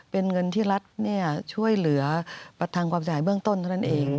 เป็นเงินที่รัฐช่วยเหลือประทังความเสียหายเบื้องต้นเท่านั้นเอง